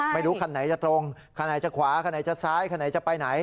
ไม่รู้คันไหนจะตรงคันไหนจะขวาคันไหนจะซ้ายคันไหนจะไปไหน